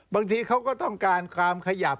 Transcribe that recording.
บางทีเขาก็ต้องการความขยับ